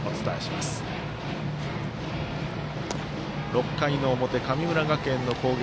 ６回の表、神村学園の攻撃。